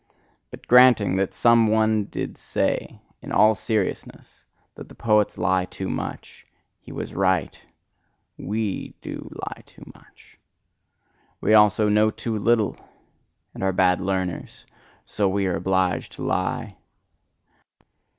But granting that some one did say in all seriousness that the poets lie too much: he was right WE do lie too much. We also know too little, and are bad learners: so we are obliged to lie.